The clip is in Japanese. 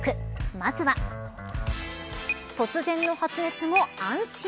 まずは突然の発熱も安心。